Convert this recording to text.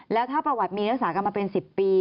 แล้วถ้าประวัติมีรักษากันมาเป็น๑๐ปี